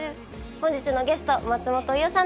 本日のゲスト、松本伊代さん